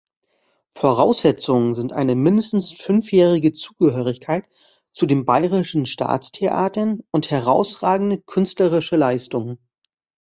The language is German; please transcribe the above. Voraussetzungen sind eine mindestens fünfjährige Zugehörigkeit zu den Bayerischen Staatstheatern und herausragende künstlerische Leistungen.